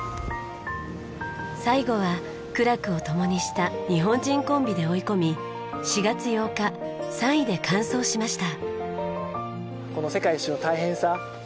最後は苦楽を共にした日本人コンビで追い込み４月８日３位で完走しました。